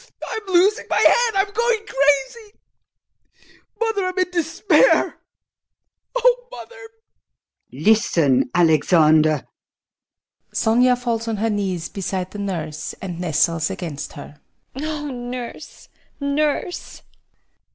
I am losing my head! I am going crazy! Mother, I am in despair! Oh, mother! MME. VOITSKAYA. [Sternly] Listen, Alexander! SONIA falls on her knees beside the nurse and nestles against her. SONIA. Oh, nurse, nurse!